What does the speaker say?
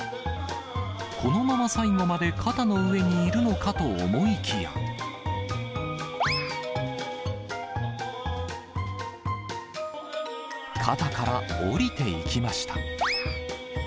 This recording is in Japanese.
このまま最後まで肩の上にいるのかと思いきや、肩から下りていきました。